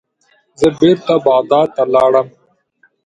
زه بیرته بغداد ته لاړم.